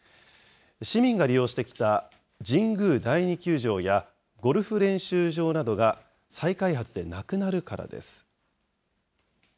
市民が利用してきた神宮第二球場やゴルフ練習場などが、再開発でなくなるからです。